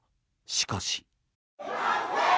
しかし。